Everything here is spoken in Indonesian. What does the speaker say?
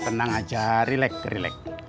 tenang aja relax relax